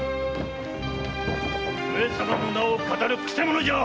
上様の名を騙るくせ者じゃ！